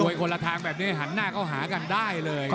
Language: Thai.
คนละทางแบบนี้หันหน้าเข้าหากันได้เลย